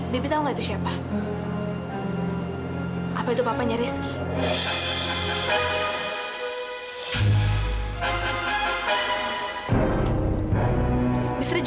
bibi tahu gak itu siapa